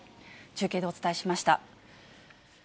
中継でお伝えしました。